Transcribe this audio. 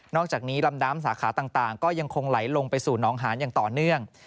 อกจากนี้ลำน้ำสาขาต่างก็ยังคงไหลลงไปสู่น้องหานอย่างต่อเนื่อง